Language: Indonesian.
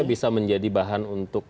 jadi ini juga bisa menjadi bahan untuk